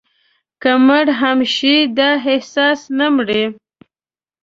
که مړي هم شي، دا احساس نه مري»